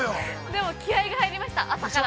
◆でも気合いが入りました朝から。